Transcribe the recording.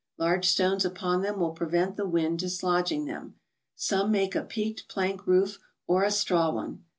Large stones upon them will prevent the wind dislodging them. Some make a peaked plank roof, or a straw one.